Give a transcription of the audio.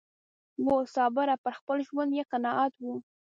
وو صابره پر خپل ژوند یې قناعت و